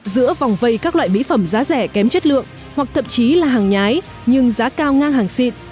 giữa vòng vây các loại mỹ phẩm giá rẻ kém chất lượng hoặc thậm chí là hàng nhái nhưng giá cao ngang hàng xịt